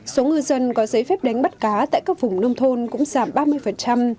số ngư dân có giấy phép đánh bắt cá tại các vùng nông thôn cũng giảm ba mươi